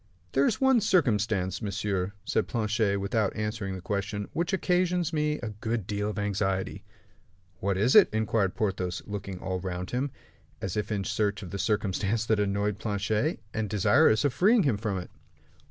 "There is one circumstance, monsieur," said Planchet, without answering the question, "which occasions me a good deal of anxiety." "What is it?" inquired Porthos, looking all round him as if in search of the circumstance that annoyed Planchet, and desirous of freeing him from it.